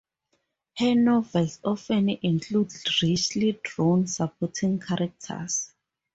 Her novels often include richly drawn supporting characters.